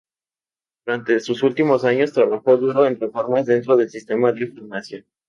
Durante sus últimos años trabajó duro en reformas dentro del sistema de farmacia.